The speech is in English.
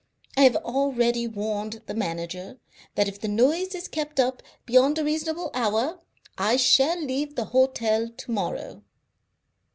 I have already warned the manager that if the noise is kept up beyond a reasonable hour I shall leave the hotel to morrow."